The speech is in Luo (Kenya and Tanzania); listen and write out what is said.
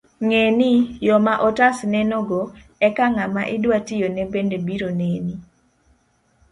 Ng'eni, yo ma otas nenogo, eka ng'ama idwa tiyone bende biro neni